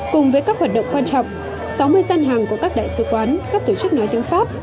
cùng với các hoạt động quan trọng sáu mươi gian hàng của các đại sứ quán các tổ chức nói tiếng pháp